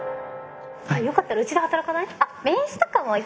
よかったらうちで働かない？